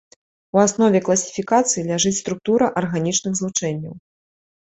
У аснове класіфікацыі ляжыць структура арганічных злучэнняў.